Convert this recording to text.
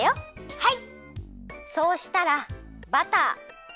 はい。